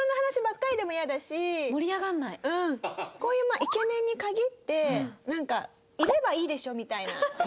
こういうまあイケメンに限ってなんかいればいいでしょみたいな。